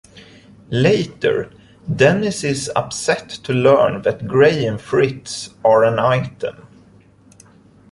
Later, Dennis is upset to learn that Gray and Fritz are an item.